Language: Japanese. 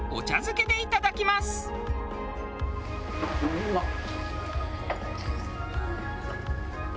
うまっ！